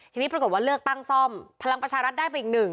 ทีนี้ปรากฏว่าเลือกตั้งซ่อมพลังประชารัฐได้ไปอีกหนึ่ง